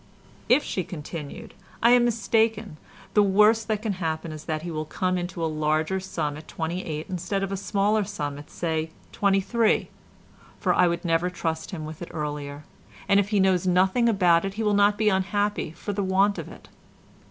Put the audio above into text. "If," she continued, "I am mistaken, the worst that can happen is that he will come into a larger sum at twenty eight instead of a smaller sum at, say, twenty three, for I would never trust him with it earlier, and—if he knows nothing about it he will not be unhappy for the want of it."